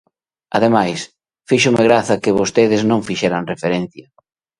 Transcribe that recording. Ademais, fíxome graza que vostedes non fixeran referencia.